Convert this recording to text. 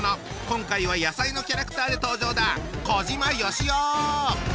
今回は野菜のキャラクターで登場だ。